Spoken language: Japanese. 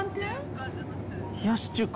冷やし中華？